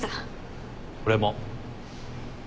俺も。